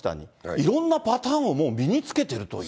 いろんなパターンをもう身につけているという。